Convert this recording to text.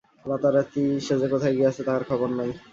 রাতারাতি সে যে কোথায় গিয়াছে তাহার খবর নাই।